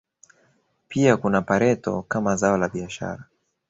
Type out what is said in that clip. Pia kuna pareto kama zao la biashara